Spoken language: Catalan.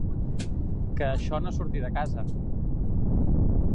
Que això no surti de casa.